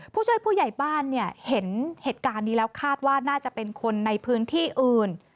ผู้ช่วยผู้ใหญ่บ้านเนี่ยเห็นเหตุการณ์นี้แล้วคาดว่าน่าจะเป็นคนในพื้นที่อื่น